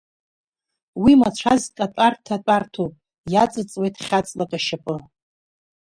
Уи мацәазк атәарҭа атәарҭоуп, иаҵыҵуеит хьа-ҵлак ашьапы.